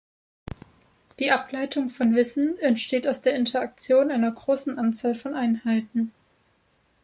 Die Ableitung von Wissen entsteht aus der Interaktion einer großen Anzahl von Einheiten.